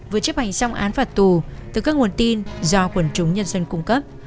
vừa chấp hành xong án phạt tù từ các nguồn tin do quần chúng nhân dân cung cấp